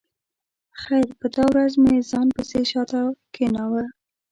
خیر په دا ورځ مې ځان پسې شا ته کېناوه.